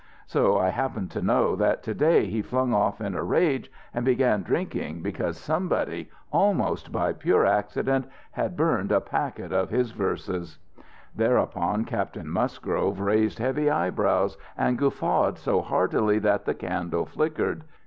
So I happen to know that today he flung off in a rage, and began drinking, because somebody, almost by pure accident, had burned a packet of his verses " Thereupon Captain Musgrave raised heavy eyebrows, and guffawed so heartily that the candle flickered.